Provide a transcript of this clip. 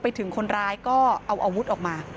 ถึงคนร้ายก็เอาอาวุธออกมา